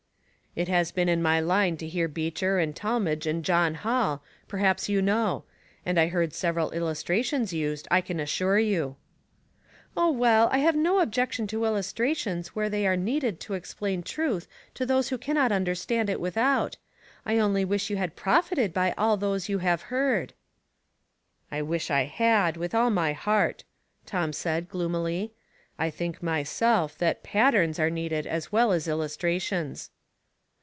"It has been in my line to hear Beecher and Talmadge and John Hall, perhaps you know ; and I heard several illustrations used, I can assure you." " Oh, well, I've no objection to illustrations wuere they are needed to explain truth to those who can not understand it without. 1 only wish you had profited by all those you have heard." " I wish I had, with all my heart," Tom said, gloomily. " I think, myself, that patterns are needed as well as illustrations."